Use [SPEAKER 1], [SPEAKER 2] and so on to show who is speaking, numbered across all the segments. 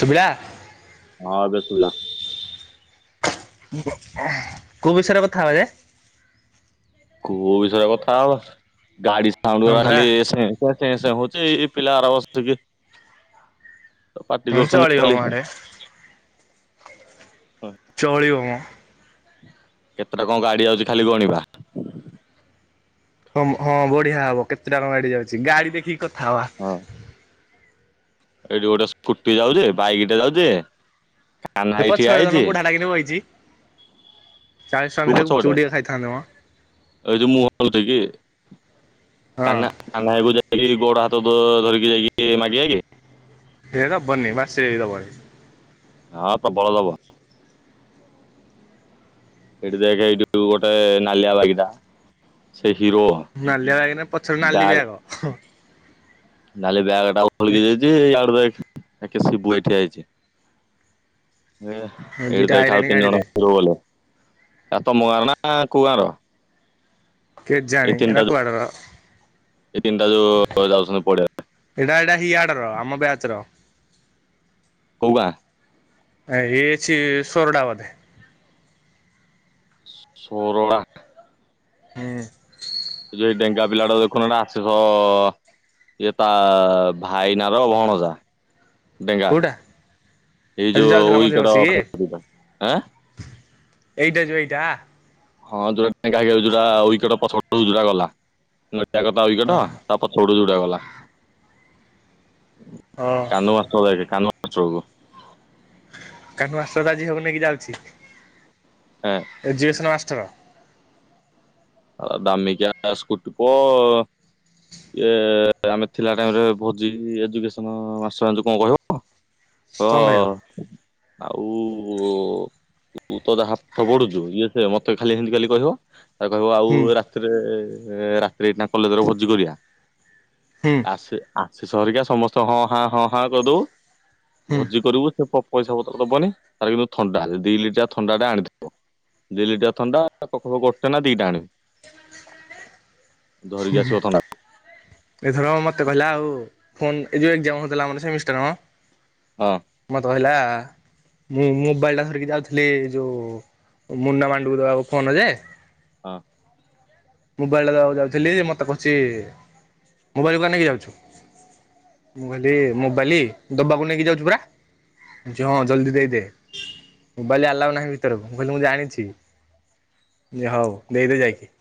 [SPEAKER 1] ଶୁବିଲା?
[SPEAKER 2] ହଁ ଏବେ ଶୁବିଲା।
[SPEAKER 1] କୋଉ ବିଷରେ କଥାହେବେ?
[SPEAKER 2] କୋଉ ବିଷୟରେ କଥା ଆ, ଗାଡି
[SPEAKER 1] ହଁ
[SPEAKER 2] ସାଉଣ୍ଡ
[SPEAKER 1] ପରା
[SPEAKER 2] ଖାଲି ହଉଛି ଏଇ ଏଇ ପିଲା ଆର ବସିକି
[SPEAKER 1] ହଁ
[SPEAKER 2] ପାଟି କରୁଛନ୍ତି
[SPEAKER 1] ଚଳିବ ମ
[SPEAKER 2] ଖାଲି
[SPEAKER 1] ଆଡେ
[SPEAKER 2] କେତେଟା
[SPEAKER 1] ଚଳିବମ।
[SPEAKER 2] କେତେଟା କଣ ଗାଡ଼ି ଆଉଛି ଖାଲି ଗଣିବା?
[SPEAKER 1] ହଁ ହଁ ବଢିଆ ହବ, କେତେ ଟଙ୍କା ଗାଡି ଯାଉଛି ଗାଡି ଦେଖିକି କଥା ହବା।
[SPEAKER 2] ହଁ। ଏଇଠି ଗୋଟେ ସ୍କୁଟି ଯାଉଛି, ବାଇକ ଟେ ଯାଉଛି, କାନାଇ ଠିଆ ହେଇଛି।
[SPEAKER 1] ଲାଗି ଭଇଛି। ଚାଳିଶ ଟଙ୍କା
[SPEAKER 2] କୋଉ
[SPEAKER 1] ଥିଲେ
[SPEAKER 2] ପଛ
[SPEAKER 1] ଗୁପଚୁପ
[SPEAKER 2] ପଟେ
[SPEAKER 1] ଟିକେ ଖାଇଥାନ୍ତେ ମ।
[SPEAKER 2] ଏଇ ଯୋଉ ମୁହଁ ହଲୁଠିକି
[SPEAKER 1] ହଁ ଅଁ।
[SPEAKER 2] [unintelligible] କୁ ଯାଇକି ଗୋଡ ହାତ ଧରିକି ଯାଇକି ମାଗିବା ଆ କି?
[SPEAKER 1] ସିଏ ଦବନି [unintelligible]
[SPEAKER 2] ହଁ ପବଳ ଲୋଭ। ସେଇଠି ଦେଖ ଏଇଠୁ ଗୋଟେ ନାଲିଆ ବାଇକଟା। ସେ ହିରୋ
[SPEAKER 1] ନାଲିଆ ବାଗ ନା ପଛରେ ନାଲି ବ୍ୟାଗ।
[SPEAKER 2] ଡାଲି ବ୍ୟାଗ ଟା ଭଲଗି ଯାଇଛିଇ ଏକ ସିିବୁ ଏଠି ଯାଇଛି।
[SPEAKER 1] ଏ
[SPEAKER 2] ଏଇଠି
[SPEAKER 1] ଦିଟା
[SPEAKER 2] ଦେଖେ ଆଉ
[SPEAKER 1] ଆଇଲାଣି
[SPEAKER 2] ତିନି ଜଣ
[SPEAKER 1] ଗାଡିରେ
[SPEAKER 2] ଉପରକୁ ଗଲେ, [unintelligible] ତମ ଗାଁର ନା କୋଉ ଗାଁର?
[SPEAKER 1] କେଜାଣି ଏରା
[SPEAKER 2] ଯୋଉ
[SPEAKER 1] କୁଆଡୁ ବା।
[SPEAKER 2] ଏଇ ତିନିଟା ଯୋଉ ଯାଉଛନ୍ତି ପିବା।
[SPEAKER 1] ଏଇଟା ଏଇଟା ହିଆଡ ର ଆମ ବ୍ୟାଚ ର।
[SPEAKER 2] କଉ ଗାଁ?
[SPEAKER 1] ଆ ହେଛିି ଶୋରଡ଼ା ବଧେ।
[SPEAKER 2] ସୋରଡ଼ା।
[SPEAKER 1] ହୁଁ।
[SPEAKER 2] ସେ ଯଉ ଡେଙ୍ଗା ପିଲା ଟା ଦେଖୁନୁ ହେଟା ଆଶିଷ ଇଏ ତା ଭାଇ ନାର ଭଣଜା।
[SPEAKER 1] କୋଉଟା
[SPEAKER 2] ଡେଙ୍ଗା
[SPEAKER 1] ଏ
[SPEAKER 2] ଏଇ
[SPEAKER 1] ଯୋଉ ଯାଉଥିଲା ମଝିରେ ବସିକି
[SPEAKER 2] [unintelligible] ଆଁ
[SPEAKER 1] ଏଇଟା ଯୁ ଏଇଟା।
[SPEAKER 2] ହଁ ଯୋଉଟା [unintelligible] ପଛରଟୁ ଯୋଉଡା
[SPEAKER 1] ଓହୋ
[SPEAKER 2] ଗଲା
[SPEAKER 1] ହଁ
[SPEAKER 2] [unintelligible]
[SPEAKER 1] [unintelligible] ଝିଅକୁ ନେଇକି ଯାଉଛି।
[SPEAKER 2] ହଁ।
[SPEAKER 1] Education master.
[SPEAKER 2] ଆ ଦାମିକ ସ୍କୁଟିିପ ଇଏ ଆମେ ଥିଲା ଟାଇମରେ ଭୋଜି ଏଜୁକେସନ ମାଷ୍ଟର ଜାଣିଚୁ କଣ କହିବ? ସ
[SPEAKER 1] କଣ କହିବ?
[SPEAKER 2] ଆଉ ତୁ ତ ହାତ ବଢୁଛୁ, ଇଏ ସେ ମତେ ଖାଲି ଏମିତି ଖାଲି କହିବ କହିବ ଆଉ
[SPEAKER 1] ହୁଁ
[SPEAKER 2] ରାତିରେ, ରାତିରେ ଏଇନା କଲେଜରେ ଭୋଜି କରିବା।
[SPEAKER 1] ହୁଁ
[SPEAKER 2] ଆ ଆସିଷ ହେରିକା ସମସ୍ତେ ହଁ ହଁ ହଁ ହଁ କରିଦବୁ,
[SPEAKER 1] ହୁଁ
[SPEAKER 2] ଭୋଜି କରିବୁ ସେ ପଇସା ପତ୍ର ଦବନି, ତାର କିନ୍ତୁ ଥଣ୍ଡା ଦି ଲିଟର ଥଣ୍ଡାଟା ଆଣିଥିବ। ଦି ଲିଟର ଥଣ୍ଡା [unintelligible] ନା ଦିଟା ଆଣିବ ଧରିକି ଆସିବ ଥଣ୍ଡା।
[SPEAKER 1] ଏଥର ମତେ କହିଲା ଆଉ ଫୋନ, ଏ ଯୋଉ ଏକ ଜାମ ହଉଥିଲା ଆମର ସେମିଷ୍ଟାର ମ
[SPEAKER 2] ହଁ।
[SPEAKER 1] ମତେ କହିଲା। ମୁଁ ମୋବାଇଲ ଟା ଧରିକି ଯାଉଥିଲି ଯୋଉ ମୁନା ମାଣ୍ଡୁ ଦେବାକୁ ଫୋନ୍ ଟା ଯେ।
[SPEAKER 2] ହଁ।
[SPEAKER 1] ମୋବାଇଲଟା ଦବାକୁ ଯାଉଥିଲି ମତେ କହୁଛି ମୋବାଇଲ କୁଆଡେ ନେଇକି ଯାଉଛୁ। ମୁଁ କହିଲି ମୋବାଇଲ୍ ଦବାକୁ ନେଇକି ଯାଉଛି ପରା। ହଁ ଜଲ୍ଦି ଦେଇଦେ ମୋବାଇଲ ଆଲାଉ ନାହିଁ ଭିତରକୁ ମୁଁ କହିଲି ମୁଁ ଜାଣିଛି। ହଉ ଦେଇଦେ ଯାଇକି।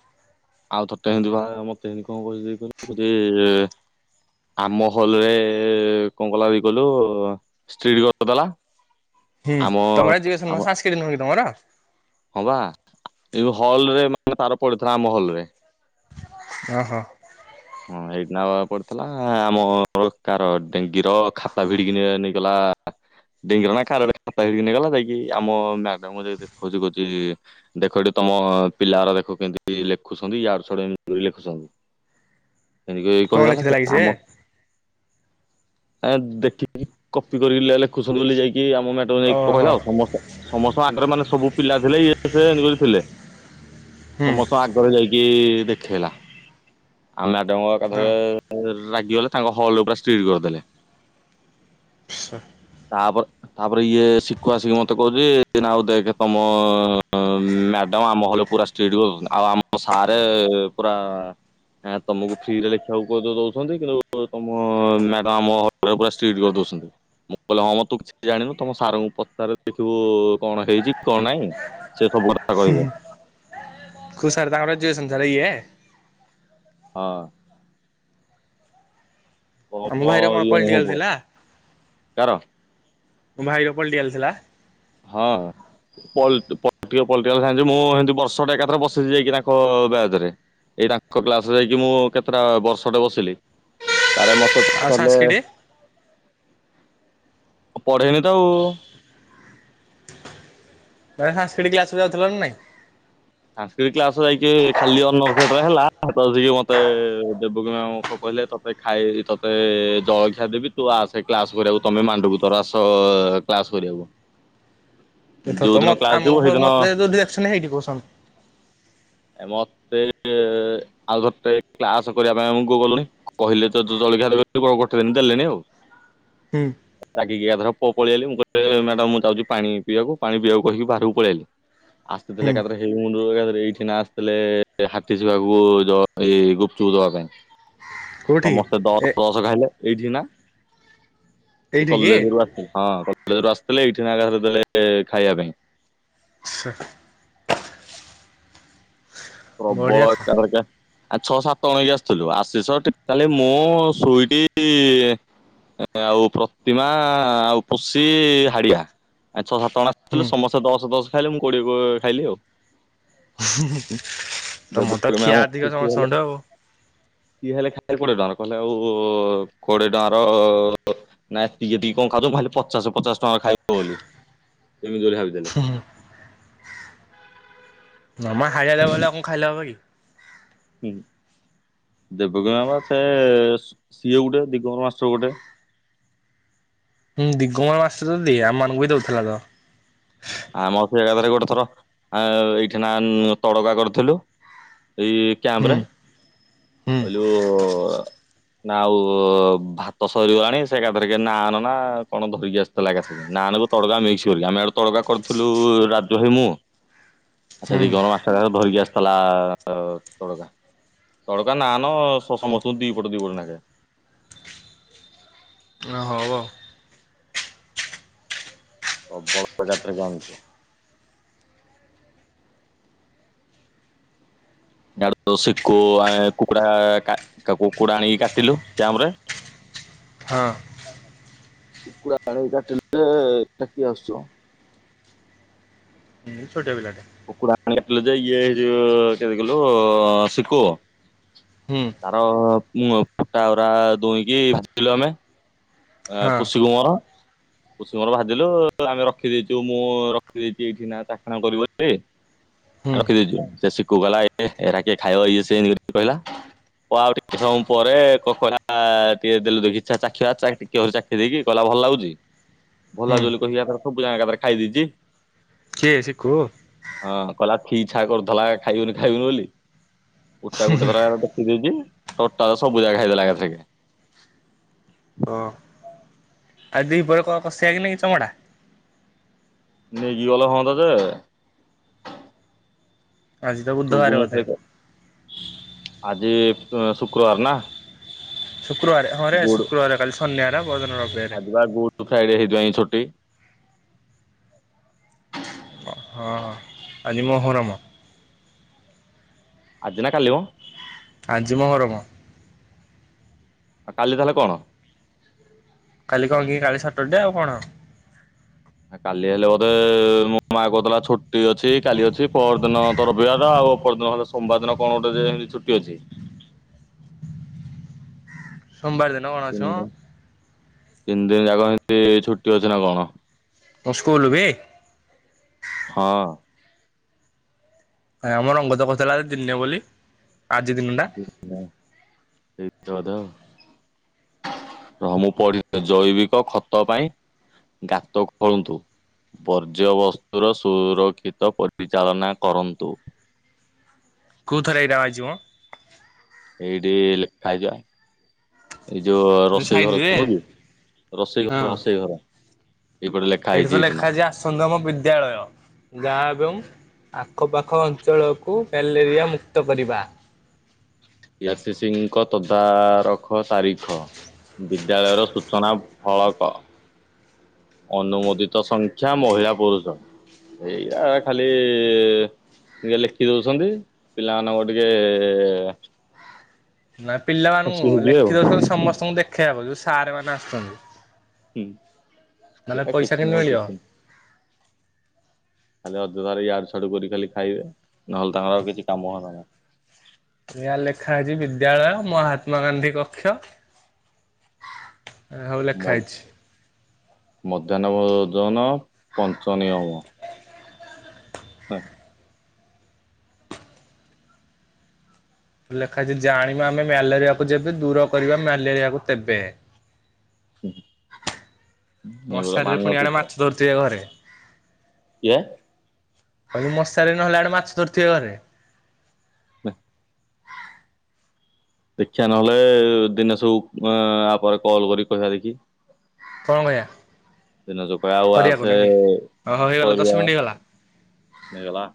[SPEAKER 2] ଆଉ ତତେ ଏମିତି ବା ମତେ ଏମିତି କଣ କହୁଛି କହୁଛି। ଆମ ହଲ୍ ରେ କଣ କଲା ବି କହିଲୁ ସ୍ତ୍ରୀଲୋକ। ଦଲା ଆମ ଆମ।
[SPEAKER 1] ଚିହ୍ନି ନୁହଁ କି ତମର।
[SPEAKER 2] ହଁ ବା ଏବେ ହଲ୍ ରେ ମାନେ ତାର ପଡିଥିଲା ଆମ ହଲ୍ ରେ।
[SPEAKER 1] ଓ ହୋ।
[SPEAKER 2] ହଁ ଏଇଠି ନା ପଡିଥିଲା ଆମ କାର ଡେଙ୍ଗୀର ଖାତା ଭିଡିକି ନେଇଗଲା। ଡେଙ୍ଗିର ନା କାର ଖାତା ହେକି ନେଇ ଗଲା ଯାଇକି ଆମ ମ୍ୟାଡାମ କୁ ଯାଇକି କହୁଛି କହୁଛି। ଦେଖ ଏଠି ତମ ପିଲାଗୁଡା ଦେଖ କେମିତି ଲେଖୁଛନ୍ତି ୟାଡୁ ସ୍ୟାଡୁ ଏମିତି ଲେଖୁଛନ୍ତି। ଏମତି କହି
[SPEAKER 1] କଣ
[SPEAKER 2] କହିଗଲା
[SPEAKER 1] ଲେଖିଥିଲା କି
[SPEAKER 2] ସେଠୁ
[SPEAKER 1] ସେ?
[SPEAKER 2] ଆମ। ଆଁ ଦେଖିକି କପି କରିକି ଲେଖୁଛନ୍ତି ବୋଲି ଯାଇକି ଆମ ମ୍ୟାଡାମ।
[SPEAKER 1] ଓହୋ।
[SPEAKER 2] କହିଲା ଆଉ ସମସ୍ତ ସମସ୍ତଙ୍କ ଆଗରେ ମାନେ ସବୁ ପିଲା ଥିଲେ ଇଏ ସେ ଥିଲେ।
[SPEAKER 1] ହୁଁ
[SPEAKER 2] ସମସ୍ତ ଆଗରେ ଯାଇକି ଦେଖେଇଲା। ଆଉ ମ୍ୟାଡ଼ମଙ୍କ
[SPEAKER 1] ହଁ
[SPEAKER 2] ଏକାଥରେ ରାଗିଗଲେ ତାଙ୍କ ହଲ୍ କୁ ପୁରା ଷ୍ଟ୍ରିଟ୍ କରିଦେଲେ।
[SPEAKER 1] ଆଚ୍ଛା।
[SPEAKER 2] ତାପ। ତାପରେ ଇଏ ଶିକୁ ଆସିକି ମତେ କହୁଛି ଆଉ ଦେଖ ତମ ମ୍ୟାଡାମ ଆମ ହେଲେ ପୁରା। ଷ୍ଟ୍ରିଟ୍ କରିଦଉଛନ୍ତି ଆଉ ଆମ ସାର୍ ପୁରା। ଆଁ ତମକୁ ଫ୍ରିରେ ଲେଖିବାକୁ ଦଉଛନ୍ତି କିନ୍ତୁ ତମ ମ୍ୟାଡାମ୍ ଆମ ହଲ୍ କୁ ପୁରା ଷ୍ଟ୍ରିଟ୍ କରିଦଉଛନ୍ତି। ମୁଁ କହିଲି ହଁ ମ ତୁ କିଛି ଜାଣିନୁ ତମ ସାରଙ୍କୁ ପଚାରେ ଦେଖିବୁ କଣ ହେଇଛି କଣ ନାଇଁ। ସେ ସବୁ କଥା।
[SPEAKER 1] ହି କୋଉ ସାର୍ ତାଙ୍କର ଏଯୁକେସନ୍ ସାର୍ ଇଏ।
[SPEAKER 2] ହଁ।
[SPEAKER 1] ଆ
[SPEAKER 2] କମ
[SPEAKER 1] ମୋ ଭାଇର କଣ
[SPEAKER 2] ଇଏ ନୁହଁ
[SPEAKER 1] ପଲଟିକାଲ୍
[SPEAKER 2] ପୁଅ
[SPEAKER 1] ଥିଲା
[SPEAKER 2] କାର
[SPEAKER 1] ମୋ ଭାଇର ପଲଟିକାଲ୍ ଥିଲା।
[SPEAKER 2] ହଁ ହଁ। ପଲ୍ ପଲଟିକାଲ୍ ସାଇନ୍ସ୍ ମୁଁ ସେମିତି ବର୍ଷଟା ଏକାଥରେ ବସିଛି ଯାଇକି ତାଙ୍କ ବ୍ୟାଚରେ। ଏଇ ତାଙ୍କ କ୍ଲାସ୍ ରେ ଯାଇକି ମୁଁ କେତେଟା ବର୍ଷଟେ ବସିଲି ତାପରେ ମତେ।
[SPEAKER 1] ଆଉ
[SPEAKER 2] ପଚାରିଲେ
[SPEAKER 1] ସାଂସ୍କିଟି।
[SPEAKER 2] ଆ ପଢେଇନି ତ ଆଉ।
[SPEAKER 1] [inaudible] ତମେ ସାଂସ୍କିଟି କ୍ଲାସ୍ କୁ ଯାଉଥିଲା ନା ନାଇଁ।
[SPEAKER 2] ସାଂସ୍କିଟି କ୍ଲାସ୍ କୁ ଯାଇକି ଖାଲି ଅନର୍ଷ ଯେତେବେଳେ ହେଲା ସେତେବେଳେ ସିଏ ମତେ ଦେବକି ମ୍ୟାମ୍। କଣ କହିଲେ ତତେ ଖାଇ ତତେ ଜଳଖିଆ ଦେବି ତୁ ଆସେ କ୍ଲାସ୍ କରିବାକୁ ତୁମେ ମାଣ୍ଡକୁ ତୋର ଆସ। କ୍ଲାସ୍ କରିବାକୁ।
[SPEAKER 1] ଏଥର
[SPEAKER 2] ଯୋଉ
[SPEAKER 1] ତ
[SPEAKER 2] ଦିନ କ୍ଲାସ ଯିବୁ
[SPEAKER 1] ଆମ ସବୁ
[SPEAKER 2] ସେଇଦିନ
[SPEAKER 1] ମତେ ଯୋଉ ଡିରେକସନ୍ ହେଇନି କୋଉ ସବ୍।
[SPEAKER 2] ଏ ମତେ। ଆଉ ଥରେ ଟେ କ୍ଲାସ୍ କରିବା ପାଇଁ ଆମକୁ ଗଲୁନି କହିଲେ ତ ଜଳଖିଆ ଦେବେ ଗୋଟେ ଦିନ ଦେଲେନି ଆଉ।
[SPEAKER 1] ହୁଁ।
[SPEAKER 2] ତାପରେ ରାଗିକି ଏକାଥରେ ପଳେଇଆଇଲି ମୁଁ କହିଲି ମ୍ୟାଡାମ୍ ମୁଁ ଯାଉଛି ପାଣି ପିଇଆକୁ ପାଣି ପିଇଆକୁ କହିିକି ବାହାରକୁ ପଳେଇଆଇଲି। ଆସି ଥିଲେ
[SPEAKER 1] ହୁଁ
[SPEAKER 2] ଏକାଥରେ ହେ ମୁଣ୍ଡରୁ ଏଇଠି ନା। ଥିଲେ ହାତୀସ୍ ବାବୁ‌ ଏଇ ଗୁପ୍ ଚୁପ୍ ଦବା ପାଇଁ।
[SPEAKER 1] କୋଉଠି
[SPEAKER 2] ସମସ୍ତେ
[SPEAKER 1] ଏ
[SPEAKER 2] ଦଶ ଦଶ ଖାଇଲେ ଏଇଠି କିନା ଏ
[SPEAKER 1] ଏଇଠିକି
[SPEAKER 2] କଲେଜ ରୁ ଆ। ହଁ କରୁ ଆସିଥିଲେ ଏଇଠି ନାରେ ଦେଲେ ଖାଇବା ପାଇଁ
[SPEAKER 1] [inaudible] ବଢିଆ ତ
[SPEAKER 2] ପ୍ରବଳର ଆ ଛଅ ସାତ ଅଣକି ଆସିଥିଲୁ ଆସିସିକ କାଲି ମୁଁ ସୁଇଟି ଆଉ ପ୍ରତିମା ଆଉ ପଶି ହାଡିଆ ଛଅ ସାତ
[SPEAKER 1] ହୁଁ
[SPEAKER 2] ଆଥିଲେ ସମସ୍ତେ ଦଶ ଦଶ ଖାଇଲେ ମୁଁ କୋଡିଏ ଖାଇଲି ଆଉ।
[SPEAKER 1] [inaudible]
[SPEAKER 2] [unintelligible] ଦେ
[SPEAKER 1] ଖିଆ ଅଧିକ
[SPEAKER 2] ହେଲେ
[SPEAKER 1] ସମସ୍ତଙ୍କଠୁ ଆଉ
[SPEAKER 2] କି ହେଲେ ଖାଇ କୋଡିଏ ଟଙ୍କାର କହିଲେ ଆଉ କୋଡିଏ ଟଙ୍କାର ନାଇଁ ଟିକେ ଟିକି କଣ ଖାଉ ଖାଲି ପଚାଶ ପଚାଶ ଟଙ୍କା ଖାଇବ ବୋଲି ଏମିତି ବୋଲି ଭାବିଦେଲେ
[SPEAKER 1] [inaudible] [unintelligible] ହେଲେ ମୁଁ ଖାଇଲେ ହେବ କି?
[SPEAKER 2] [inaudible] ହୁଁ ଦେବକ ବା ସେ ସିଏ ଗୋଟେ ଦଗମର ମାଷ୍ଟର ଗୋଟେ
[SPEAKER 1] ହୁଁ ଦିଗମ ମାଷ୍ଟର ଦିଏ ଆମ ମାନଙ୍କୁ ବି ଦଉଥିଲା ତ।
[SPEAKER 2] ଆମ ସେ ଜାଗରେ ଗୋଟେ ଥର ଏଇଠି ନା ତଡକା କରିଥିଲୁ। ଏ
[SPEAKER 1] ହୁଁ
[SPEAKER 2] କାମରେ
[SPEAKER 1] ହୁଁ
[SPEAKER 2] କହିଲୁ ନା ଆଉ ଭାତ ସରିଗଲାଣି ସେ ଏକାଥରେ କି ନା ନ ନା କଣ ଧରିକି ଆସିଥିଲା ଏକାଥରେ ନାନ୍ କୁ ତଡକା ମିକ୍ସ ଗ ଆମେ ଆଡେ ତଡକା କରିଥିଲୁ ରାଜ ଭାଇ ମୁଁ ଆ ସେଦି ଗର
[SPEAKER 1] ହୁଁ
[SPEAKER 2] ମାସଟା ଧରିକି ଆସିଥିଲା ତଡକା। ଦଡକା ନା ନ ସମସ୍ତଙ୍କୁ ଦି ଫଟ ଦି ପଟ ନାଖେ
[SPEAKER 1] ଓ ହୋ ଆଉ।
[SPEAKER 2] [unintelligible] ଡ ସିକୁ ଆ କୁକୁଡା କୁକୁଡା ଆଣିକି କାଟିଲୁ କ୍ୟାମ୍ପ ରେ
[SPEAKER 1] ହଁ।
[SPEAKER 2] କୁକୁଡ଼ା ଆଣେଇ କାଟିଲେଟା କିଏ ଆସୁଛ
[SPEAKER 1] ଛଟିଆ ପିଲାଟା
[SPEAKER 2] [unintelligible]
[SPEAKER 1] ହୁଁ
[SPEAKER 2] ତାର ଫୁଟାୁରା ଦୁଇଁକିିଲୁ ଆମେ ଆ
[SPEAKER 1] ହଁ
[SPEAKER 2] ପୁସୁମୋର। କୁଷୁମର ଭାଜିଲୁ ଆମେ ରଖିଦେଇଛୁ ମୁଁ ରଖିଦେଇଛି ଏଇଠି ନା ଚାକ୍ଷଣା କରିବୁ ବୋଲି
[SPEAKER 1] ହୁଁ
[SPEAKER 2] ରଖିଦଛୁ ସେ କୁ ଗଲା ଏ ଏଟା କିଏ ଖାଇବଇଏ ସେ କହିଲା। ଉ ଟେ ସମୟ ପରେ କକ ଟିକେ ଦେଲୁଦେଲୁ ଦେଖିଛା ଚଖିଆ ଟ ଚା ଖ ଦେଇକି କହିଲା ଭଲ ଲାଗୁଛି? ଭଲ
[SPEAKER 1] ହୁଁ
[SPEAKER 2] ଲାଗଛି ବୋଲି କହିକି ସବୁ ଜାଗାରେ ଖାଇ ଦେଇେଛି।
[SPEAKER 1] କିଏ ସିକୁୁ?
[SPEAKER 2] ହଁ କହିଲା ଛା କରୁଦଲା ଖାଇବୁନି ଖାଇବୁନି ବୋଲି ଉଟା ଗୋଟେ ଥର ଦେଖିଦ ଦେଇଉଛି ଟଟା ସବୁ ଯାଗା ଖାଇଦେଲା ଏକାଥରକେ
[SPEAKER 1] ଆଉ ଦି ପରେ କ କଷିଆଗ ନା କି ଚମଡ଼ା
[SPEAKER 2] ନେଇକି ଗଲେ ହୁଅନ୍ତା ଯେ
[SPEAKER 1] ଆଜି ତ
[SPEAKER 2] ତୁ
[SPEAKER 1] ବୁଧବାର
[SPEAKER 2] ଗୁମ
[SPEAKER 1] ବୋଧେ
[SPEAKER 2] ଖାଇ ଆଜି ଶୁକ୍ରବାର ନା।
[SPEAKER 1] ଶୁକ୍ରବାର ହଁ ରେ ଆଜି ଶୁକ୍ରବାର କାଲି ଶନିବାର ପରଦିନ ର
[SPEAKER 2] ଆଜିିବା ଗୁଡ୍ ଫ୍ରାଇଡେ ହେଇଥି ପାଇଁ ଛୁଟି।
[SPEAKER 1] ହଁ ଆଜି ମୋହରମ
[SPEAKER 2] ଆଜି ନା କାଲିିମ?
[SPEAKER 1] ଆଜି ମହରମ।
[SPEAKER 2] ଆ କାଲି ତାହାଲେ କଣ?
[SPEAKER 1] କାଲି କଲ୍ କି କାଲି ସଟର ଡେ ଆଉ କଣ।
[SPEAKER 2] କାଲି ହେଲେ ବୋଧେ ମୋ ମା କହୁଥିଲା ଛୁଟି ଅଛି କାଲି ଅଛି ପର ଦିନ ତୋ ରବିବାର ଆଉ ଅପରଦିନ। ସୋମ୍ ବାର ଦିନ କଣ ଗୋଟେ ଯେ ଏମିତି ଛୁଟି ଅଛି।
[SPEAKER 1] ସୋମ୍ ବାର ଦିନ କଣ ଅଛି ମ।
[SPEAKER 2] ତିନ୍ ଦିନ୍ ଯାକ ସେମତି ଛୁଟି ଅଛି ନା କଣ?
[SPEAKER 1] ତୋ ସ୍କୁଲୁ କି?
[SPEAKER 2] ହଁ।
[SPEAKER 1] ଆ ଆମ ରଙ୍ଗ ତ କହୁଥିଲା ଦିନେ ବୋଲି ଆଜି ଦିନ ଟା।
[SPEAKER 2] ହଁ ସେଇ ତ ଅଧେ ଆଉ। ରହ ମୁଁ ପଢି କିନା ଜୈବିକ ଖତ ପାଇଁ ଗାତ ଖୋଳନ୍ତୁ। ବର୍ଜ୍ୟବସ୍ତୁର ସୁରକ୍ଷିତ ପରିଚାଳନା କରନ୍ତୁ।
[SPEAKER 1] କୋଉଥରେ ଏଇଟା ଆଇଚି ମ?
[SPEAKER 2] ଏଇଠି ଲେଖା ହେଇଚି ବା। ଏଇ ଯୋଉ ରୋଷେଇ ଘର
[SPEAKER 1] ସାଇଡରେ
[SPEAKER 2] [unintelligible] ରୋଷେଇ
[SPEAKER 1] ହଁ।
[SPEAKER 2] ଘର ରୋଷେଇ ଘର ଏଇପଟେ ଲେଖା
[SPEAKER 1] ଏଇଠି
[SPEAKER 2] ହେଇଛି
[SPEAKER 1] ତ
[SPEAKER 2] ନା।
[SPEAKER 1] ଲେଖା ହେଇଚି ଆସନ୍ତୁ ଆମ ବିଦ୍ୟାଳୟ। ଯା ଏବଂ ଆଖପାଖ ଅଞ୍ଚଳକୁ ମ୍ୟାଲେରିଆ ମୁକ୍ତ କରିବା।
[SPEAKER 2] ପିୟାସି ସିଂଙ୍କ ତଦାରଖ ତାରିଖ। ବିଦ୍ୟାଳୟର ସୂଚନା ଫଳକ। ଅନୁମୋଦିତ ସଂଖ୍ୟା ମହିଳା ପୁରୁଷ ଏରା ଖାଲି ଟିକେ ଲେଖି ଦଉଛନ୍ତି। ପିଲାମାନଙ୍କୁ ଟିକେ ଏ- ଏ -ଏ- ଏ
[SPEAKER 1] ନା ପିଲାମାନଙ୍କୁ
[SPEAKER 2] ହେଇଯିବେ ଆଉ।
[SPEAKER 1] ଲେଖି ଦଉଛନ୍ତି ସମସ୍ତଙ୍କୁ ଦେଖେଇଆକୁ ଯୋଉ ସାର୍ ମାନେ ଆସୁଚନ୍ତି।
[SPEAKER 2] ହୁଁ।
[SPEAKER 1] ନହେଲେ
[SPEAKER 2] ଏଇଟା
[SPEAKER 1] ପଇସା
[SPEAKER 2] କିଛି
[SPEAKER 1] କିନ୍ତି
[SPEAKER 2] ନୁହଁ
[SPEAKER 1] ମିଳିବ?
[SPEAKER 2] କିଛି ନୁହଁ ଖାଲି ଅଜଥାରେ ୟାଆଡୁ ସିଆଡୁ କରି ଖାଲି ଖାଇବେ ନହେଲେ ତାଙ୍କର ଆଉ କିଛି କାମ ଧନ୍ଦା ନାହିଁ।
[SPEAKER 1] ଏୟା ଲେଖା ହେଇଚି ବିଦ୍ୟାଳୟ ମହାତ୍ମା ଗାନ୍ଧୀ କକ୍ଷ। ହଉ
[SPEAKER 2] ମ
[SPEAKER 1] ଲେଖା ହେଇଛି।
[SPEAKER 2] ମଧ୍ୟାହ୍ନ ଓଜନ ପଞ୍ଚନିୟମ। ହଁ।
[SPEAKER 1] ଲେଖାଇଚି ଜାଣିବା ଆମେ ମ୍ୟାଲେରିଆକୁ ଯେବେ ଦୂର କରିବା ମ୍ୟାଲେରିଆକୁ ତେବେ।
[SPEAKER 2] [unintelligible] ଏଇଭଳିଆ
[SPEAKER 1] ମଶାରୀରେ ପୁଣି ଆଣେ
[SPEAKER 2] ମାନଚିତ୍ର
[SPEAKER 1] ମାଛ ଧରୁଥିବେ ଘରେ।
[SPEAKER 2] କିଏ?
[SPEAKER 1] କହିଲୁ ମଶାରି ନହେଲେ ଆଡେ ମାଛ ଧରୁଥିବେ ଘରେ।
[SPEAKER 2] ନେ।
[SPEAKER 1] [inaudible]
[SPEAKER 2] ଦେଖିବା ନହେଲେ ଦିନେ ସବୁ ଆଁ ୟାପରେ କଲ୍ କରି କହିବା ଦେଖି।
[SPEAKER 1] କଣ କରିଆ?
[SPEAKER 2] ଦିନେଶ କୁ କଇଆ ଆଉ ଆସେ
[SPEAKER 1] ଓହୋ ହେଇଗଲା ଦଶ
[SPEAKER 2] କରିଆ
[SPEAKER 1] ମିନିଟ୍ ହେଇଗଲା।
[SPEAKER 2] ନେଇଗଲା।